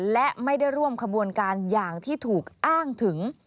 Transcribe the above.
และไม่ได้ร่วมขบวนการอย่างที่ถูกอ้างถึง